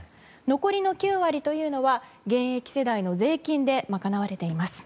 残りの９割は現役世代の税金で賄われています。